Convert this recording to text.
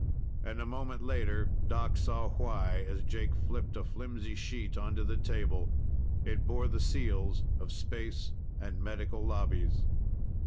And a moment later, Doc saw why as Jake flipped a flimsy sheet onto the table. It bore the seals of Space and Medical Lobbies.